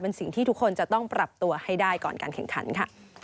เป็นสิ่งที่ทุกคนจะต้องปรับตัวให้ได้ก่อนการแข่งขันค่ะ